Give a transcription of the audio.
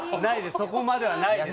そこまではないです